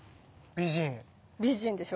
美人でしょ。